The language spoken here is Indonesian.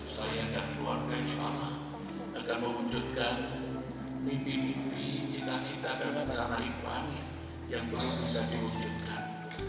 saya dan keluarga isyallah akan mewujudkan mimpi mimpi cita cita dan pencara imbal yang belum bisa diwujudkan